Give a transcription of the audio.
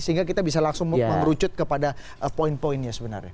sehingga kita bisa langsung mengerucut kepada poin poinnya sebenarnya